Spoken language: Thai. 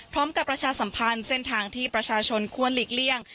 ประชาสัมพันธ์เส้นทางที่ประชาชนควรหลีกเลี่ยง